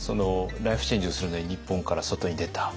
ライフチェンジをするのに日本から外に出た。